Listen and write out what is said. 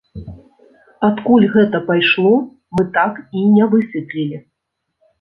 Адкуль гэта пайшло, мы так і не высветлілі.